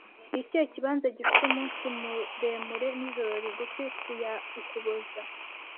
Ni ikihe kibanza gifite umunsi muremure nijoro rigufi ku ya Ukuboza